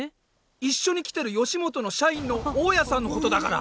一緒に来てるよしもとの社員の大矢さんのことだから！